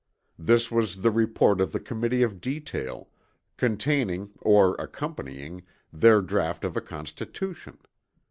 This was the report of the Committee of Detail, containing, or accompanying, their draught of a Constitution.